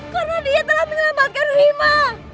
karena dia telah menyelamatkan rima